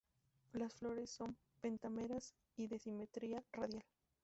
Las flores son pentámeras y de simetría radial.